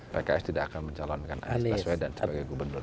pks tidak akan mencalonkan anies baswedan sebagai gubernur